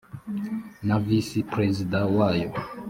na visi perezida wayo